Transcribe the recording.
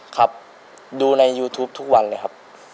ครับดูในยูทูปทุกวันเลยครับ